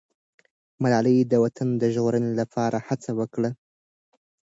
ملالۍ د وطن د ژغورنې لپاره هڅه وکړه.